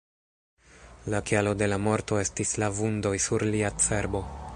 La kialo de la morto estis la vundoj sur lia cerbo.